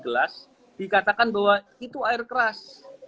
mereka mengatakan bahwa itu air keras